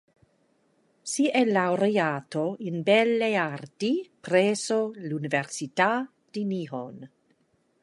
Si è laureato in "belle arti" presso l'università di Nihon.